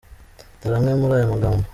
Dore amwe muri ayo magambo :.